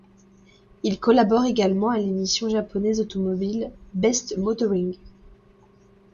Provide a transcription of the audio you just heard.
Il collabore également à l'émission japonaise automobile Best Motoring.